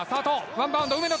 ワンバウンド梅野